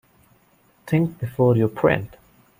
Think before you print.